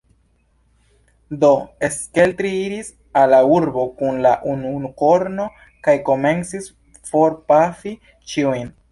Do, Stelkri iris al la urbo kun la unukorno, kaj komencis forpafi ĉiujn.